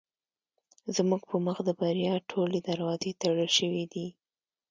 زموږ په مخ د بریا ټولې دروازې تړل شوې دي.